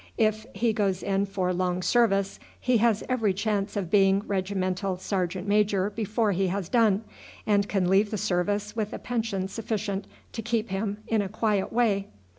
If he goes in for long service he has every chance of being regimental sergeant major before he has done, and can leave the service with a pension sufficient to keep him in a quiet way."